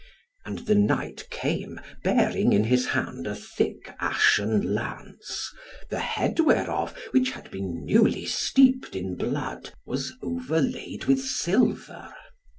And the knight came, bearing in his hand a thick ashen lance, the head whereof, which had been newly steeped in blood, was overlaid with silver.